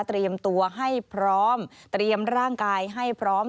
เตรียมตัวให้พร้อมเตรียมร่างกายให้พร้อม